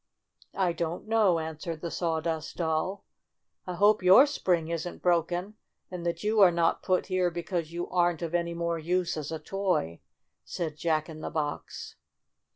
"I don't know," answered the Sawdust Doll. "I hope your spring isn't broken, and that you are not put here because you aren't of any more use as a toy," said Jack in the Box.